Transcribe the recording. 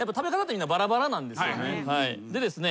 でですね